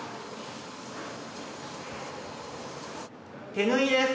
手縫いです。